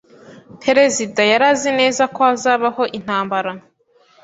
Perezida yari azi neza ko hazabaho intambara.